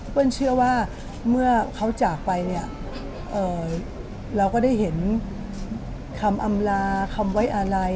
เชื่อว่าเมื่อเขาจากไปเนี่ยเราก็ได้เห็นคำอำลาคำไว้อะไร